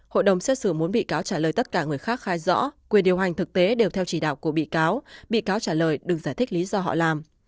hội đồng xét xử muốn bị cáo trả lời tất cả người khác khai rõ quyền điều hành thực tế đều theo chỉ đạo của bị cáo bị cáo trả lời đừng giải thích lý do họ làm